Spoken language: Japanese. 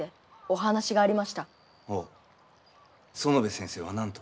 ほう園部先生は何と？